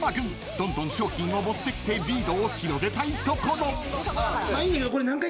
［どんどん商品を持ってきてリードを広げたいところ］